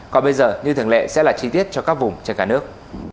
còn bây giờ như thường lệ sẽ là chi tiết cho các vùng trên cả nước